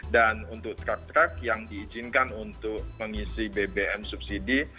dan untuk trak trak yang diizinkan untuk mengisi bbm subsidi